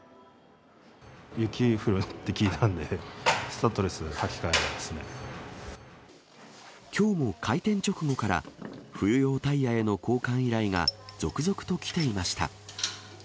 雪が降るって聞いたんで、きょうも開店直後から、冬用タイヤへの交換依頼が続々と来ていました。